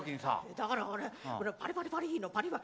だからほらパリパリパリのパリパリ。